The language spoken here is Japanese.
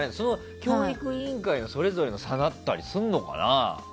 教育委員会の差だったりするのかな？